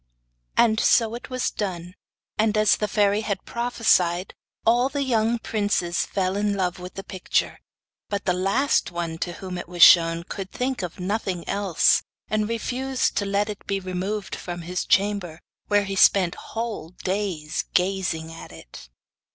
And so it was done; and as the fairy had prophesied, all the young princes fell in love with the picture; but the last one to whom it was shown could think of nothing else, and refused to let it be removed from his chamber, where he spent whole days gazing at it.